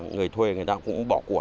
người thuê người ta cũng bỏ